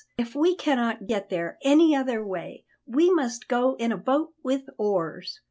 If we cannot get there any other way we must go in a boat with oars.